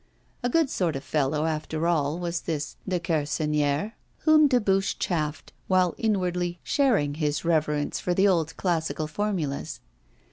A good sort of fellow, after all, was this Dequersonnière whom Dubuche chaffed, while inwardly sharing his reverence for the old classical formulas.